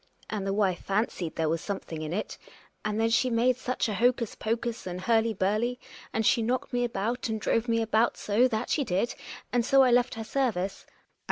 And the wife fancied there was something in it, and then she made such a hocus pocus and hurly burly, and she knocked me about and drove me about so — that she did — and so I left her service.